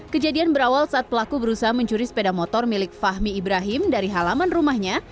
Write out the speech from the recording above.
kejadian berawal saat pelaku berusaha mencuri sepeda motor milik fahmi ibrahim dari halaman rumahnya